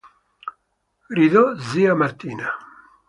Gridò zia Martina.